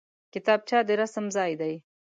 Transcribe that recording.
کتابچه د رسم ځای دی